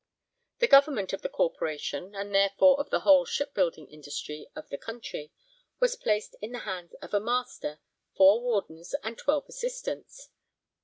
The government of the corporation and therefore of the whole shipbuilding industry of the country was placed in the hands of a Master, four Wardens, and twelve Assistants.